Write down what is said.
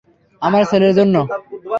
আমার ছেলের জন্য।